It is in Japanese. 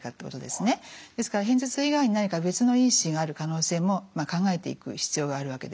ですから片頭痛以外に何か別の因子がある可能性も考えていく必要があるわけです。